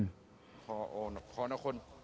พอพอนะคนน่ะ